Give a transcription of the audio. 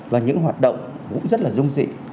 và những hoạt động cũng rất là dung dị